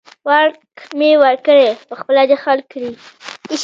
واک مې ورکړی، په خپله دې حل کړي.